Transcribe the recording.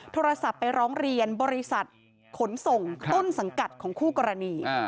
โทรศัพท์ไปร้องเรียนบริษัทขนส่งต้นสังกัดของคู่กรณี